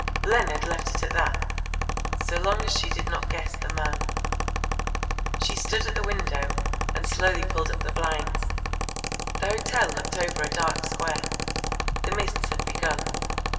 Leonard left it at that so long as she did not guess the man. She stood at the window and slowly pulled up the blinds. The hotel looked over a dark square. The mists had begun.